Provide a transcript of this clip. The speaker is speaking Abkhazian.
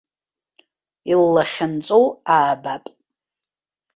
Иллахьынҵоу аабап.